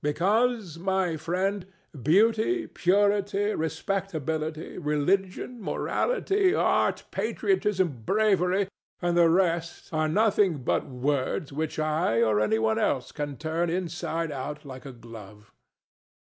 Because, my friend, beauty, purity, respectability, religion, morality, art, patriotism, bravery and the rest are nothing but words which I or anyone else can turn inside out like a glove.